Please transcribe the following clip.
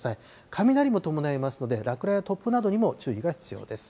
雷も伴いますので、落雷や突風などにも、注意が必要です。